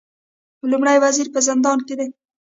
لومړی وزیر په زندان کې دی